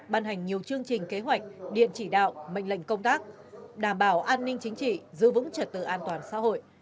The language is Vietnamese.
ban hành nhiều chương trình kế hoạch điện chỉ đạo mệnh lệnh công tác đảm bảo an ninh chính trị giữ vững trật tự an toàn xã hội